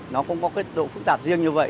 nó cũng có cái độ phức tạp riêng như vậy